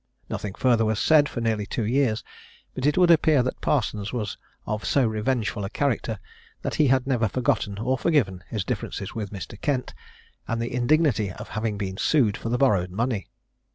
Nothing further was said for nearly two years; but it would appear that Parsons was of so revengeful a character, that he had never forgotten or forgiven his differences with Mr. Kent, and the indignity of having been sued for the borrowed money.